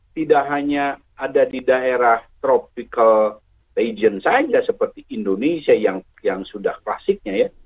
tidak hanya ada di daerah tropical region saja seperti indonesia yang sudah klasiknya ya